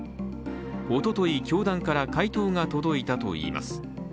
おととい教団から回答が届いたといいます。